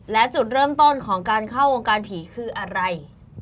และจุดเริ่มต้นของการเข้าวงการผีคืออะไร